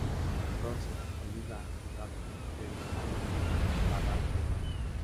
Dorso oliva-dorado; ventral oliva barrado de blanco.